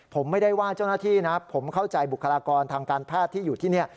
ผมไม่ได้ว่าเจ้าหน้าที่นะผมเข้าใจบุคลากรทางการแพทย์ที่อยู่ที่นี่